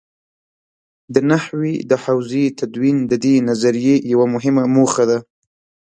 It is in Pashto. د نحوې د حوزې تدوین د دې نظریې یوه مهمه موخه ده.